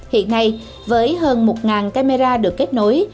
hiện nay với hơn một camera được kết nối